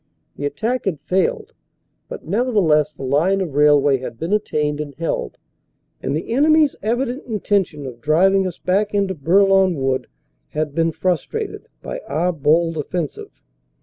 The attack had failed, but nevertheless the line of rail way had been attained and held, and the enemy s evident inten tion of driving us back into Bourlon Wood had been frustrated by our bold offensive.